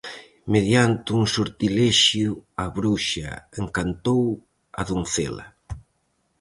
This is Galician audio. Mediante un sortilexio a bruxa encantou a doncela.